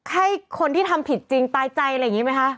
ให้คนที่ทำผิดจริงตายใจอะไรอย่างนี้ไหมคะ